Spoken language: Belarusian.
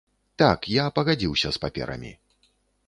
Так, я пагадзіўся з паперамі.